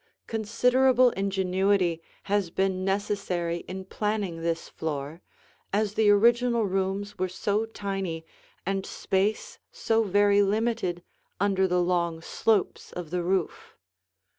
Considerable ingenuity has been necessary in planning this floor, as the original rooms were so tiny and space so very limited under the long slopes of the roof.